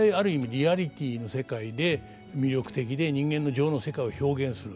リアリティーの世界で魅力的で人間の情の世界を表現する。